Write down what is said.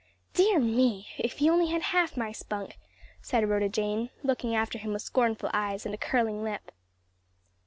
"Dear me, if he only had half my spunk!" said Rhoda Jane, looking after him with scornful eyes and a curling lip.